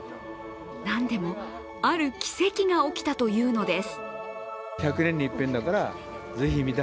なんでもある奇跡が起きたというのです。